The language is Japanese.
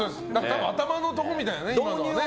頭のとこみたいなね、今のは。